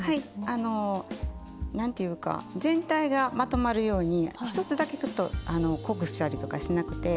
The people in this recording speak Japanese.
あのなんていうか全体がまとまるように一つだけちょっと濃くしたりとかしなくて。